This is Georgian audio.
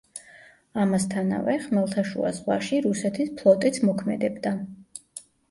ამასთანავე, ხმელთაშუა ზღვაში რუსეთის ფლოტიც მოქმედებდა.